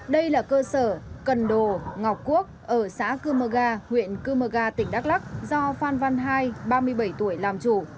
đây là cơ sở cần đồ ngọc quốc ở xã cư mơ ga huyện cư mơ ga tỉnh đắk lắc do phan văn hai ba mươi bảy tuổi làm chủ